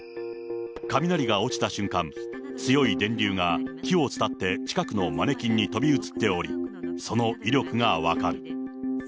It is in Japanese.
雷が落ちた瞬間、強い電流が気を伝って近くのマネキンに飛び移っており、その威力が分かる。